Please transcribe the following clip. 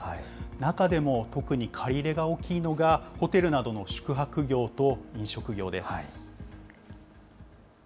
中でも、特に借り入れが大きいのがホテルなどの宿泊業と飲食業です。